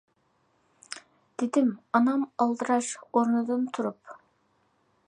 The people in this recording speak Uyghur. — دېدى ئانام ئالدىراش ئورنىدىن تۇرۇپ.